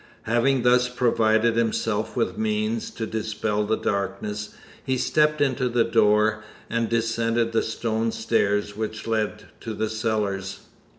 Having thus provided himself with means to dispel the darkness, he stepped into the door and descended the stone stairs which led to the cellars.